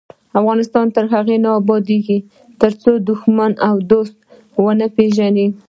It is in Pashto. افغانستان تر هغو نه ابادیږي، ترڅو دښمن او دوست ونه پیژنو.